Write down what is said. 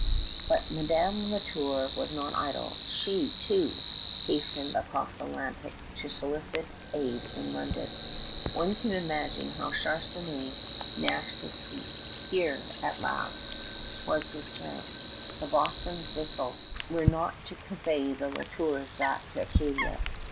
But Madame La Tour was not idle. She, too, hastened across the Atlantic to solicit aid in London. One can imagine how Charnisay gnashed his teeth. Here, at last, was his chance. The Boston vessels were not to convey the La Tours back to Acadia.